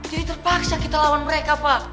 jadi terpaksa kita lawan mereka pak